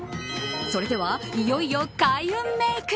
それでは、いよいよ開運メイク。